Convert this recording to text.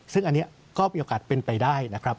ซึ่งอันนี้ก็มีโอกาสเป็นไปได้